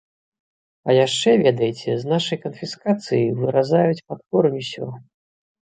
А яшчэ, ведаеце, з нашай канфіскацыяй выразаюць пад корань усё.